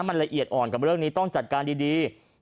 มันละเอียดอ่อนกับเรื่องนี้ต้องจัดการดี